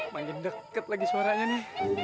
mau dikasih apa lagi